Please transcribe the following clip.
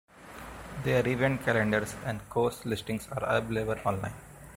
Their event calendars and course listings are available online.